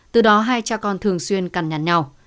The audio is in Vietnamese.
từ đó hai cha con thường xuyên cằn nhằn nhau